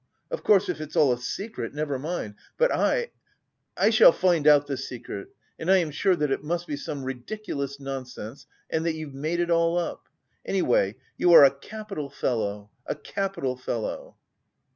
Of course, if it's all a secret, never mind.... But I... I shall find out the secret... and I am sure that it must be some ridiculous nonsense and that you've made it all up. Anyway you are a capital fellow, a capital fellow!..."